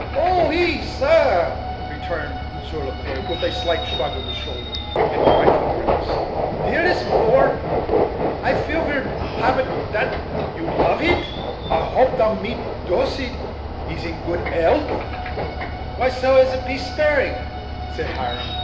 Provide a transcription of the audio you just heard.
"Ah! oui; ees, sair," returned Monsieur Le Quoi, with a slight shrug of his shoulder, and a trifling grimace, "dere is more. I feel ver happi dat you love eet. I hope dat Madame Doleet' is in good 'ealth." "Why, so as to be stirring," said Hiram.